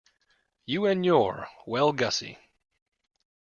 You and your 'Well, Gussie'!